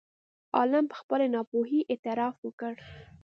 عالم په خپلې ناپوهۍ اعتراف وکړ.